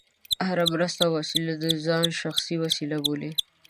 هره مرسته او وسیله د ځان شخصي وسیله بولي.